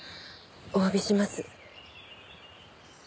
おわびします。